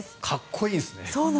かっこいいですね。